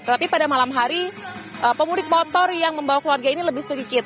tetapi pada malam hari pemudik motor yang membawa keluarga ini lebih sedikit